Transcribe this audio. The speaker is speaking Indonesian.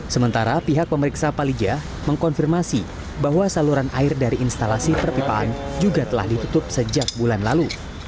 sementara pihak pemeriksa palija mengkonfirmasi bahwa saluran air dari instalasi perpipaan juga telah ditutup sejak bulan lalu